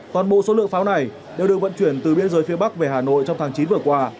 toàn bộ số lượng pháo này đều được vận chuyển từ biên giới phía bắc về hà nội trong tháng chín vừa qua